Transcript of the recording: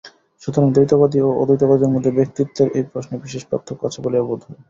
সুতরাং দ্বৈতবাদী ও অদ্বৈতবাদীর মধ্যে ব্যক্তিত্বের এই প্রশ্নে বিশেষ পার্থক্য আছে বলিয়া বোধ হয়।